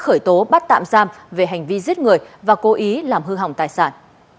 khởi tố bắt tạm giam về hành vi giết người và cố ý làm hư hỏng tài sản